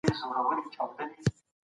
موږ بايد د ټولني دردونو ته دوا پيدا کړو.